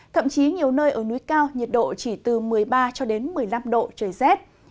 thậm chí nhiều nơi ở núi cao nhiệt độ chỉ từ một mươi ba cho đến một mươi năm độ trời rét